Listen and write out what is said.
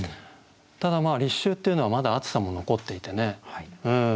ただ立秋っていうのはまだ暑さも残っていてね